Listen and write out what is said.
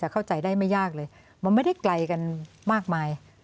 แต่เข้าใจได้ไม่ยากเลยมันไม่ได้ไกลกันมากมาย